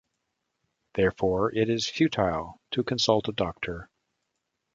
Therefore it is futile to consult a doctor.